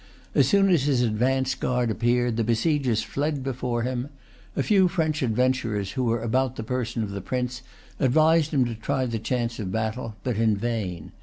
As soon as his advance guard appeared, the besiegers fled before him. A few French adventurers who were about the person of the prince advised him to try the chance of battle; but in vain.